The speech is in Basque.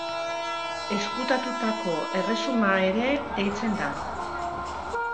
Ezkutatutako Erresuma ere deitzen da.